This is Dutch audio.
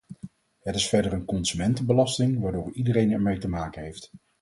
Het is verder een consumentenbelasting waardoor iedereen ermee te maken heeft.